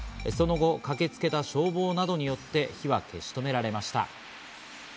その後、駆けつけた消防などによって火は消し止められました。